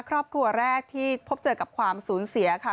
ครอบครัวแรกที่พบเจอกับความสูญเสียค่ะ